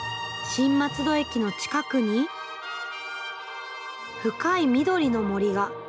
新松戸駅の近くに、深い緑の森が。